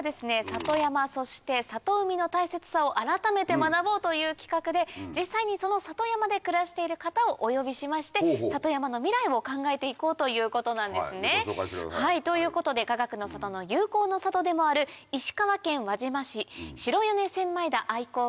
里山そして里海の大切さを改めて学ぼうという企画で実際に里山で暮らしている方をお呼びしまして里山の未来を考えて行こうということなんですね。ということでかがくの里の友好の里でもある石川県輪島市。